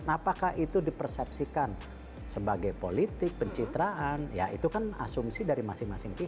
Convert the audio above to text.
apakah itu dipersepsikan sebagai politik pencitraan ya itu kan asumsi dari masing masing pihak